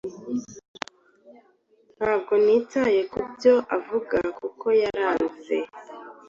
Ntabwo nitaye kubyo avugaKuko yaraaze